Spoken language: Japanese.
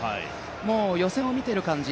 もう予選を見ている感じ